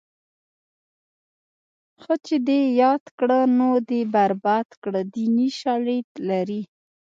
ښه چې دې یاد کړه نو دې برباد کړه دیني شالید لري